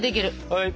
はい！